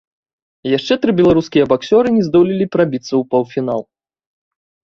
Яшчэ тры беларускія баксёры не здолелі прабіцца ў паўфінал.